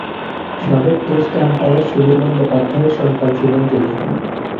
সাবেক test umpire Sunil বন্দ্যোপাধ্যায়ের সন্তান ছিলেন তিনি।